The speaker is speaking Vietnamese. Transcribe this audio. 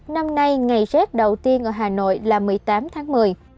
năm nay ngày rét đầu tiên ở hà nội là một mươi tám tháng một mươi